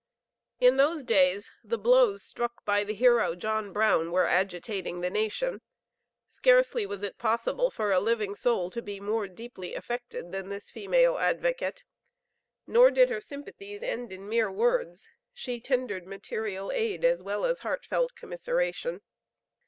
In those days the blows struck by the hero, John Brown, were agitating the nation. Scarcely was it possible for a living soul to be more deeply affected than this female advocate. Nor did her sympathies end in mere words. She tendered material aid as well as heartfelt commiseration.